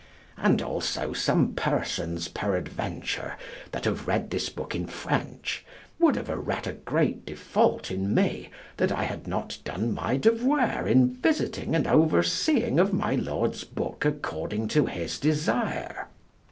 And also some persons, peradventure, that have read this book in French would have arette a great default in me that I had not done my devoir in visiting and overseeing of my Lord's book according to his desire.